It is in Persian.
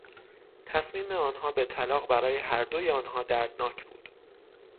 تصمیم آنها به طلاق برای هر دوی آنها دردناک بود.